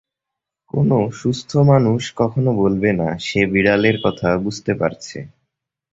কোনো সুস্থ মানুষ কখনো বলবে না, সে বিড়ালের কথা বুঝতে পারছে।